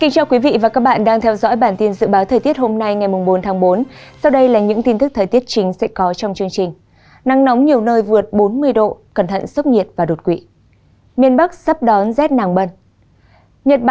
các bạn hãy đăng ký kênh để ủng hộ kênh của chúng mình nhé